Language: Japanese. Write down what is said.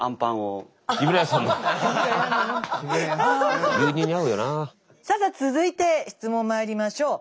さあさあ続いて質問参りましょう。